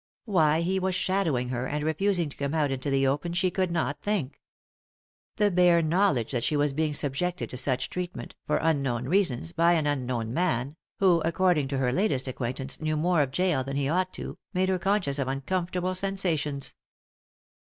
Why he was shadowing her and refusing to come out into the open she could not think. The bare knowledge that she was being subjected to such treatment, for un known reasons, by an unknown man, who, according to her latest acquaintance, knew more of jail than he ought to, made her conscious of uncomfortable sensa tions.